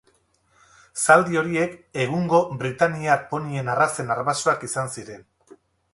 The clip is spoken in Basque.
Zaldi horiek egungo britainiar ponien arrazen arbasoak izan ziren.